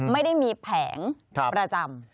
ไม่ได้มีแผงประจำ